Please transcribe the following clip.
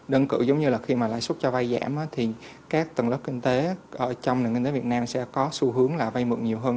đơn cựu giống như là khi mà lãi suất cho vay giảm thì các tầng lớp kinh tế trong nền kinh tế việt nam sẽ có xu hướng là vay mượn nhiều hơn